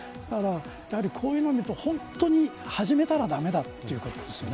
やはりこういうので言うと本当に始めたら駄目だということです。